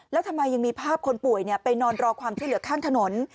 แล้วทำไมยังมีภาพคนป่วยไปนอนรอความช่วยเหลือข้างถนน